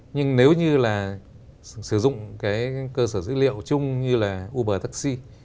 nhưng nếu như là sử dụng cái cơ sở dữ liệu chung như là uber taxi